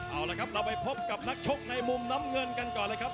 เอาละครับเราไปพบกับนักชกในมุมน้ำเงินกันก่อนเลยครับ